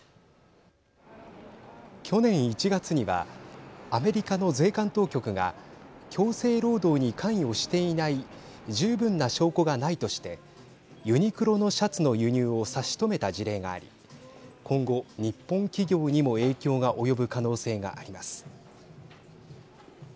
去年１月にはアメリカの税関当局が強制労働に関与していない十分な証拠がないとしてユニクロのシャツの輸入を差し止めた事例があり今後、日本企業にも影響が及ぶ可能性があります。